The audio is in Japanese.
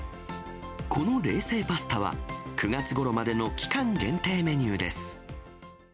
この冷製パスタは、９月ごろまでの期間限定メニューです。